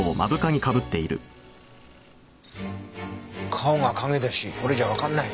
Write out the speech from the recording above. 顔が影だしこれじゃわかんないよ。